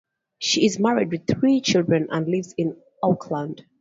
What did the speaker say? She is married with three children and lives in Auckland.